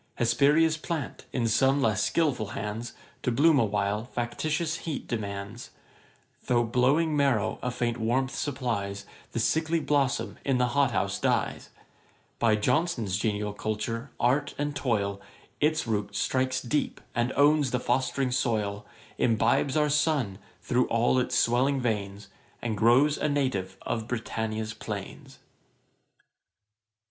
Hesperia's plant, in some less skilful hands, To bloom a while, factitious heat demands: Though glowing Maro a faint warmth supplies, The sickly blossom in the hot house dies: By Johnson's genial culture, art, and toil, Its root strikes deep, and owns the fost'ring soil; Imbibes our sun through all its swelling veins, And grows a native of Britannia's plains.' [Page 63: Johnson's 'morbid melancholy'. Ætat 19.